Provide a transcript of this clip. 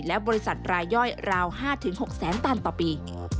และบริษัทรายย่อยราว๕๖แสนตันต่อปี